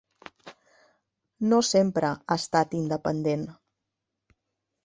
No sempre ha estat independent.